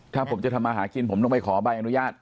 ถ้าผมจะทำมาหากินผมต้องไปขอใบอนุญาต